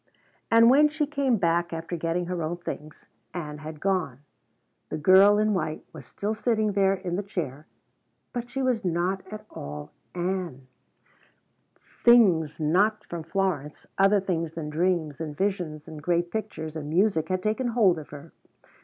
But when she came back after getting her own things, Ann had gone. The girl in white was still sitting there in the chair, but she was not at all Ann. Things not from Florence, other things than dreams and visions and great pictures and music had taken hold of her.